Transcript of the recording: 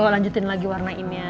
lanjutin lagi warnainnya